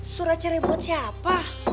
surat cerai buat siapa